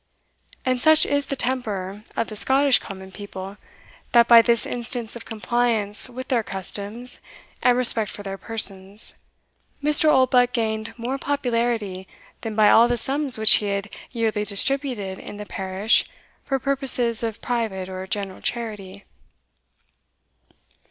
And such is the temper of the Scottish common people, that, by this instance of compliance with their customs, and respect for their persons, Mr. Oldbuck gained more popularity than by all the sums which he had yearly distributed in the parish for purposes of private or general charity.